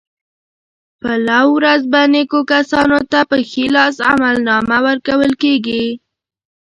په لو ورځ به نېکو کسانو ته په ښي لاس عملنامه ورکول کېږي.